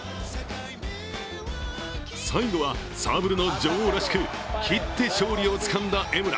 最後はサーブルの女王らしく斬って勝利をつかんだ江村。